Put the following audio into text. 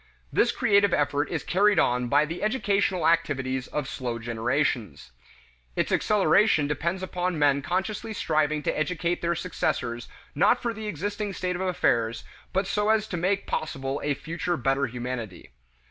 This creative effort is carried on by the educational activities of slow generations. Its acceleration depends upon men consciously striving to educate their successors not for the existing state of affairs but so as to make possible a future better humanity.